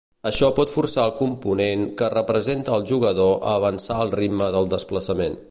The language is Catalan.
Això pot forçar el component que representa al jugador a avançar al ritme del desplaçament.